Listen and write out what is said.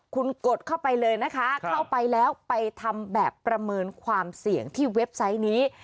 คุณกดเข้าไปเลยนะคะเข้าไปแล้วไปทำแบบประเมินความเสี่ยงที่เว็บไซต์นี้